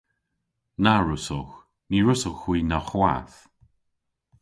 Na wrussowgh. Ny wrussowgh hwi na hwath.